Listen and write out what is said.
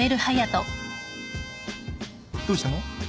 どうしたの？